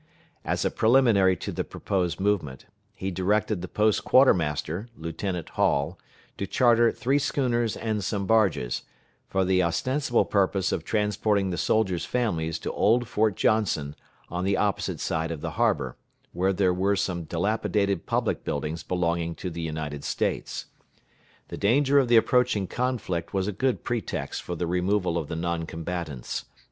As a preliminary to the proposed movement, he directed the post quartermaster, Lieutenant Hall, to charter three schooners and some barges, for the ostensible purpose of transporting the soldiers' families to old Fort Johnson, on the opposite side of the harbor, where there were some dilapidated public buildings belonging to the United States. The danger of the approaching conflict was a good pretext for the removal of the non combatants.